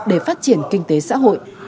để phát triển kinh tế xã hội